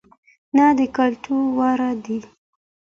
نه د کتلو وړ دى،